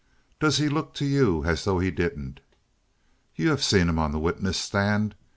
Does he look to you as though he didn't? You have seen him on the witness stand.